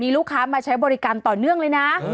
ลูกค้ามาใช้บริการต่อเนื่องเลยนะ